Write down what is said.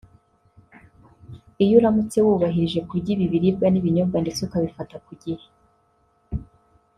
Iyo uramutse wubahirije kurya ibi biribwa n’ibinyobwa ndetse ukabifata ku gihe